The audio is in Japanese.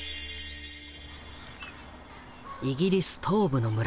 イギリス東部の村